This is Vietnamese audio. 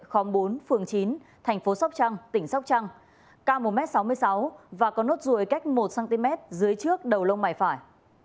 khóm bốn phường chín thành phố sóc trăng tỉnh sóc trăng cao một m sáu mươi sáu và có nốt ruồi cách một cm dưới trước đầu lông mày phải